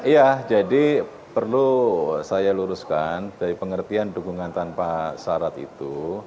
ya jadi perlu saya luruskan dari pengertian dukungan tanpa syarat itu